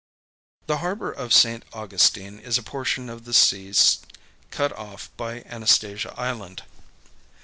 The harbor of St. Augustine is a portion of the sea cut off by Anastasia Island.